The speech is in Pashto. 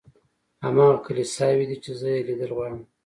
هماغه کلیساوې دي چې زه یې لیدل غواړم.